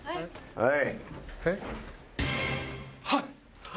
はい。